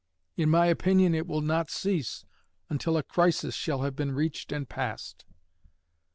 In my opinion it will not cease until a crisis shall have been reached and passed.